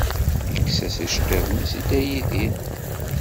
Yekkes-as iceṭṭiḍen-is i Dda Yidir.